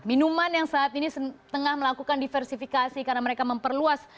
minuman yang saat ini tengah melakukan diversifikasi karena mereka memperluas